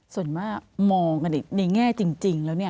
ส่วนมากมองกันในแง่จริงแล้วเนี่ย